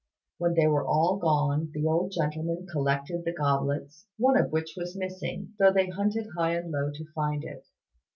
When they were all gone the old gentleman collected the goblets, one of which was missing, though they hunted high and low to find it.